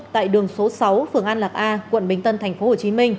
tại đường số sáu phường an lạc a quận bình tân tp hcm